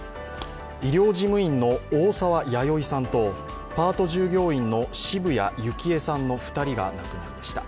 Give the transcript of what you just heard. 医療事務員の大沢弥生さんとパート従業員の渋谷幸恵さんの２人が亡くなりました。